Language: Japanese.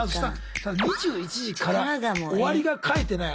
２１時から終わりが書いてない